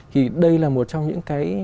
thì đây là một trong những cái